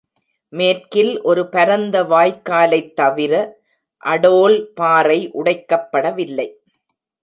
மேற்கில் ஒரு பரந்த வாய்க்காலைத் தவிர, அடோல் பாறை உடைக்கப்படவில்லை.